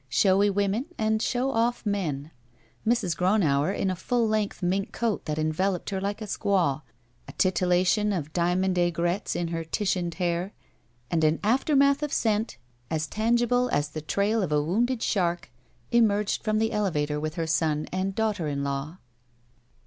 Showy women and show oflf men. Mrs. Gronauer, in a full length mink coat that enveloped her like a squaw, a titillation of diamond aigrettes in her Titianed hair, and an aftermath of scent as tangible as the 7 SHE WALKS IN BEAUTY trail of a wounded ^lark, emerged from the elevator with her son and daughter in law.